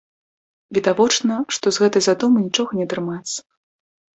Відавочна, што з гэтай задумы нічога не атрымаецца.